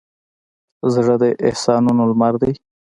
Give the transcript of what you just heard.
زړه د احساسونو لمر دی.